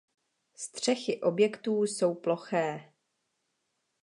Střechy objektů jsou ploché.